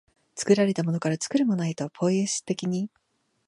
作られたものから作るものへと、ポイエシス的に、